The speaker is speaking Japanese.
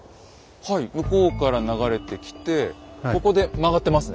はい向こうから流れてきてここで曲がってますね。